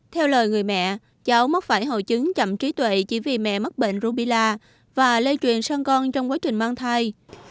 theo lời người mẹ cháu mắc phải hậu chứng chậm trí tuệ chỉ vì mẹ mắc bệnh rung bì la và lây truyền sân con trong quá trình mang thai